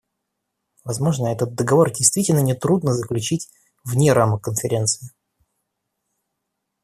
Возможно, этот договор действительно нетрудно заключить вне рамок Конференции.